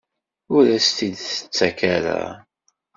Ur as-t-id-tettak ara?